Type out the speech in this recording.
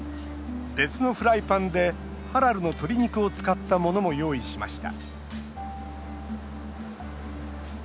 別のフライパンでハラルの鶏肉を使ったものも用意しました